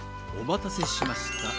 おまたせしました。